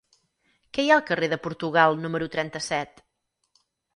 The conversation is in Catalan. Què hi ha al carrer de Portugal número trenta-set?